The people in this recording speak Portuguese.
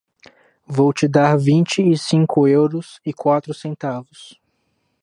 Vou te dar vinte e cinco euros e quatro centavos.